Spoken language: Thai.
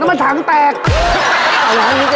อะไรเนี่ย